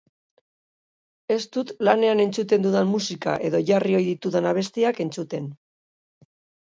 Ez dut lanean entzuten dudan musika edo jarri ohi ditudan abestiak entzuten.